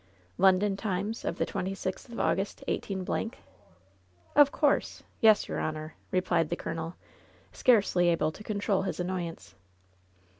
"London Times of the twenty sixth of August, 18 —?" lia LOVERS BITTEREST CUP "Of course. Yes, your honor," replied the colonel, scarcely able to control his annoyance.